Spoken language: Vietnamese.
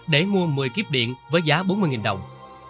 đồng một mươi kiếp điện với giá bốn mươi đồng